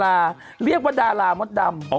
เรียกว่าดารามดดำ